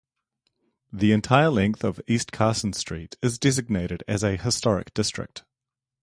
The entire length of East Carson Street is designated as a historic district.